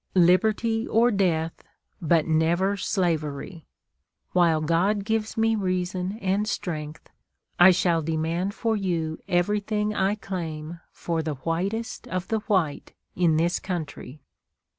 Liberty or death, but never slavery! While God gives me reason and strength, I shall demand for you everything I claim for the whitest of the white in this country."